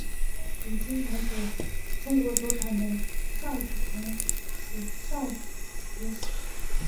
与中国所产的韶子同属韶子属。